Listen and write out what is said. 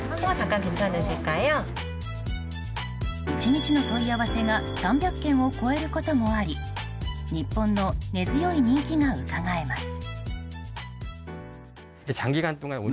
１日の問い合わせが３００件を超えることもあり日本の根強い人気がうかがえます。